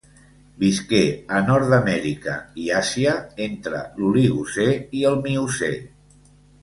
Visqué a Nord-amèrica i Àsia entre l'Oligocè i el Miocè.